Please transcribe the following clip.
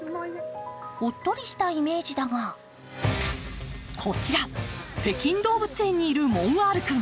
おっとりしたイメージだがこちら、北京動物園にいるモンアール君。